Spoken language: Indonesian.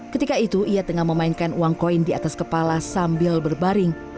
ketika itu ia tengah memainkan uang koin di atas kepala sambil berbaring